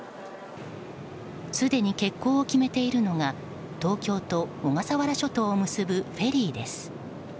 すでに欠航を決めているのが東京と小笠原諸島を結ぶフェリーです。